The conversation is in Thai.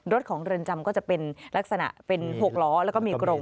รถของเรือนจำก็จะเป็นลักษณะเป็น๖ล้อแล้วก็มีกรง